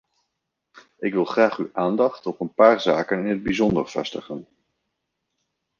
Ik wil graag uw aandacht op een paar zaken in het bijzonder vestigen.